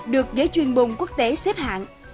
được giới chuyên mùng quốc tế xếp hạng